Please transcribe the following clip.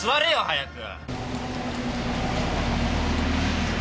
早く。